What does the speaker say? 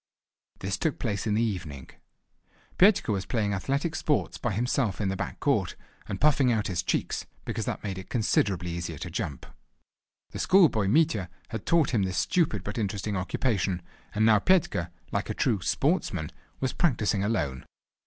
This took place in the evening. Petka was playing athletic sports by himself in the back court, and puffing out his cheeks, because that made it considerably easier to jump. The schoolboy Mitya had taught him this stupid but interesting occupation, and now Petka, like a true "sportsman," was practising alone.